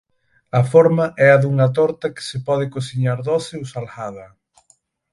A forma é a dunha torta que se pode cociñar doce ou salgada.